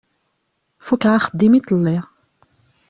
Fukkeɣ axeddim iḍelli.